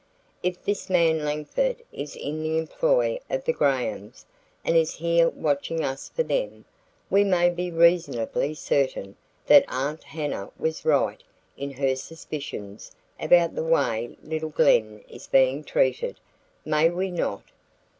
If this man Langford is in the employ of the Grahams and is here watching us for them, we may be reasonably certain that Aunt Hannah was right in her suspicions about the way little Glen is being treated, may we not?"